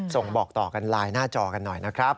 ส่งบอกต่อกันไลน์หน้าจอกันหน่อยนะครับ